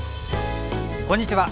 こんにちは。